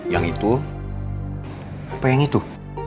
yang itu apa yang itu